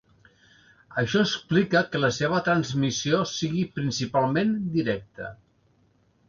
Això explica que la seva transmissió sigui principalment directa.